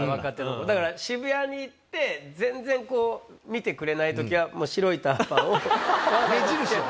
だから渋谷に行って全然見てくれない時は白いターバンを着けて。